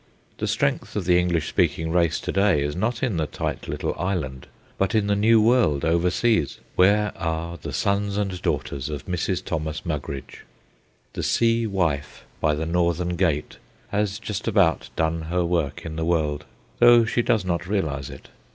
The strength of the English speaking race to day is not in the tight little island, but in the New World overseas, where are the sons and daughters of Mrs. Thomas Mugridge. The Sea Wife by the Northern Gate has just about done her work in the world, though she does not realize it.